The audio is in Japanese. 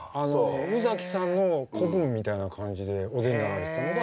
宇崎さんの子分みたいな感じでお出になられてたのが。